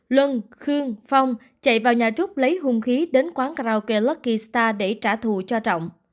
luân khương phong chạy vào nhà trúc lấy hung khí đến quán karaoke lucky star để trả thù cho trọng